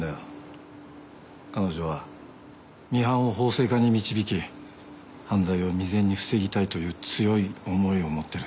彼女はミハンを法制化に導き犯罪を未然に防ぎたいという強い思いを持ってる。